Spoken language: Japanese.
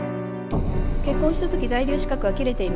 結婚した時在留資格は切れていました。